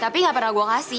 tapi gak pernah gue ngasih